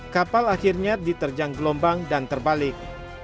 kapal akhirnya diterjang gelombang dan terbalik